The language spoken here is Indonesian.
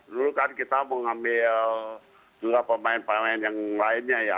dulu kan kita mengambil juga pemain pemain yang lainnya ya